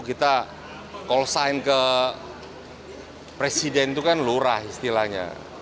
kita call sign ke presiden itu kan lurah istilahnya